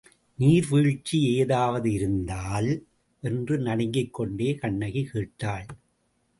நீர்வீழ்ச்சி ஏதாவது இருந்தால்... என்று நடுங்கிக்கொண்டே கண்ணகி கேட்டாள்.